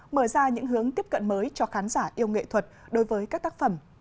mở ra những hướng tiếp cận mới cho khán giả yêu nghệ thuật đối với các tác phẩm